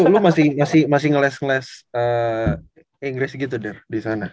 lu masih ngeles ngeles inggris gitu der disana